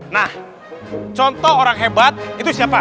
nah contoh orang hebat itu siapa